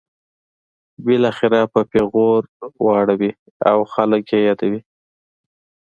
بالاخره په پیغور واړوي او خلک یې یادوي.